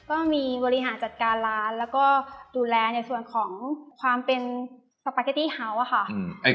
ก็มีบริหารจัดการร้านแล้วก็ดูแลในส่วนของความเป็นสปาเกตตี้เฮาส์ค่ะ